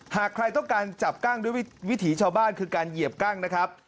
หากใครต้องการจับกั้งด้วยวิถีชาวบ้านคือการเหยียบกั้งนะครับ